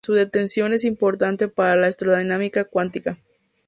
Su detección es importante para la electrodinámica cuántica.